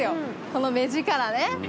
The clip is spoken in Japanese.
この目力ね。